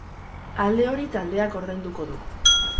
Alde hori taldeak ordainduko du.